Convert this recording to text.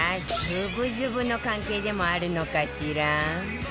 ズブズブの関係でもあるのかしら？